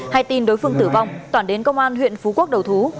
hay tin đối phương tử vong toản đến công an huyện phú quốc đầu thú